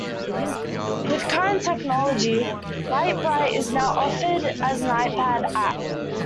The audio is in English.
With current technology, Lite-Brite is now offered as an iPad app.